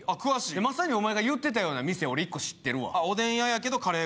まさにおまえが言ってたような店、１個知ってるわ。